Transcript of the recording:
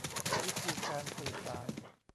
วิธีการสื่อสาร